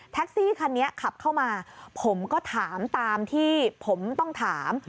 ซี่คันนี้ขับเข้ามาผมก็ถามตามที่ผมต้องถาม